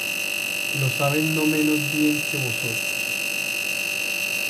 Lo saben no menos bien que vosotros"".